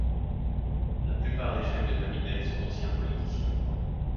La plupart des chefs de cabinet sont d’anciens politiciens.